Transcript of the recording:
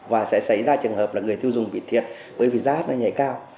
và sẽ xảy ra trường hợp là người tiêu dùng bị thiệt bởi vì giá nó nhảy cao